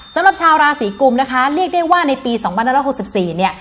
สำหรับชาวราศีกุมนะคะเรียกได้ว่าในปี๒๑๖๔เนี่ย